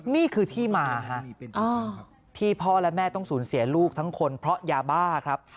นี่คือที่มาที่พ่อและแม่ต้องสูญเสียลูกทั้งคนเพราะยาบ้าครับ